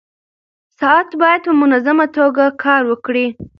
ساعت باید په منظمه توګه کار وکړي.